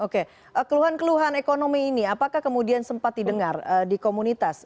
oke keluhan keluhan ekonomi ini apakah kemudian sempat didengar di komunitas